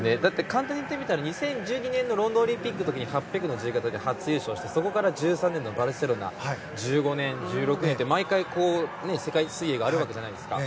簡単に言ったらロンドンオリンピックの時に８００の自由形で初出場してそこから１３年のバルセロナ１５年、１６年と毎回、世界水泳があるわけじゃないですか。